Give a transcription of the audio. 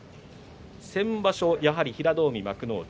先場所やはり平戸海幕内